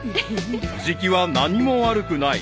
［藤木は何も悪くない］